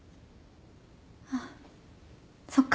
あっそっか。